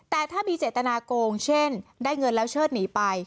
แต่ถ้ามีเจตนาโกงเช่นได้เงินแล้วเชิดหนีไป